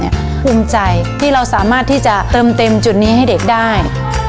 ภูมิใจที่เราสามารถที่จะเติมเต็มจุดนี้ให้เด็กได้